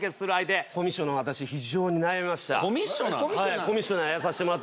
コミッショナーの私非常に悩みました。